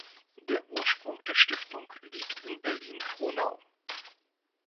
Der Ursprung der Stiftung liegt in Berlin-Frohnau.